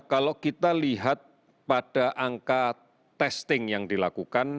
kalau kita lihat pada angka testing yang dilakukan